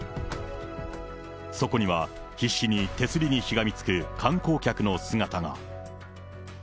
そこには、必死に手すりにしがみつく観光客の姿が。